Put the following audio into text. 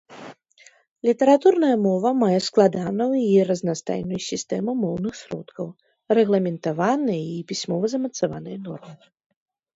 Літаратурная мова мае складаную і разнастайную сістэму моўных сродкаў, рэгламентаваныя і пісьмова замацаваныя нормы.